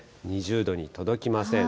２０度に届きません。